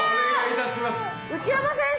内山先生。